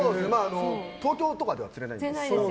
東京とかでは釣れないです。